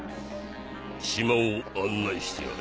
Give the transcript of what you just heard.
島を案内してやれ。